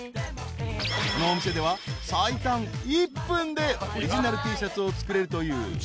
［このお店では最短１分でオリジナルＴシャツを作れるという］